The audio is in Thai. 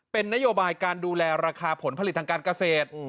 เป็นนโยบายการดูแลราคาผลผลิตทางการเกษตร